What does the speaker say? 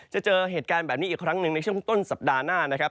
เจอเหตุการณ์แบบนี้อีกครั้งหนึ่งในช่วงต้นสัปดาห์หน้านะครับ